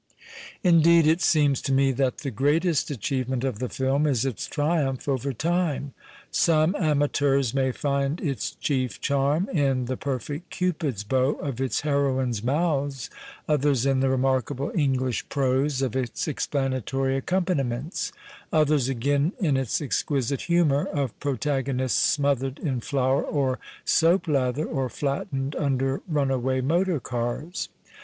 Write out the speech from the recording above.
Indeed, it seems to me that the greatest achieve ment of the film is its triumph over time. Some amateurs may find its chief charm in the perfect " Cupid's bow "' of its heroines' mouths ; others in the remarkable English prose of its explanatory accompaniments ; others, again, in its exquisite humour of protagonists smothered in flour or soap lather or flattened under runaway motor cars.